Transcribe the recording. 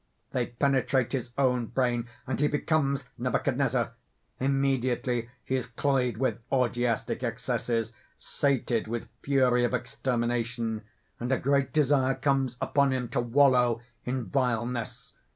They penetrate his own brain, and he becomes Nebuchadnezzar. Immediately he is cloyed with orgiastic excesses, sated with fury of extermination; and a great desire comes upon him to wallow in vileness.